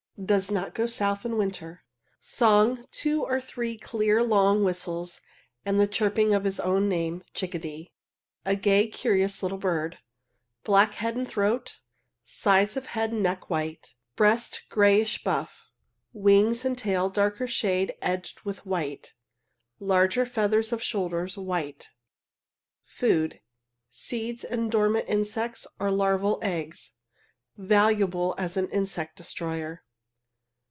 Does not go south in winter. Song two or three clear long whistles and the chirping of his own name, "chickadee." A gay, curious little bird. Black head and throat sides of head and neck white breast grayish buff wings and tail darker shade edged with white larger feathers of shoulders white. Food seeds and dormant insects or larval eggs. Valuable as an insect destroyer.